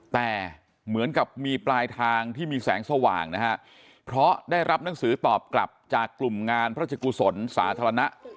แต่เหมือนกับมีปลายทางที่มีแสงสว่างนะฮะเพราะได้รับหนังสือตอบกลับจากกลุ่มงานพระเจ้ากุศลสาธารณะ